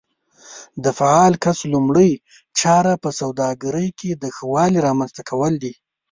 د فعال کس لومړۍ چاره په سوداګرۍ کې د ښه والي رامنځته کول وي.